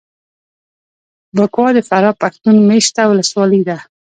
بکوا دفراه پښتون مېشته ولسوالي ده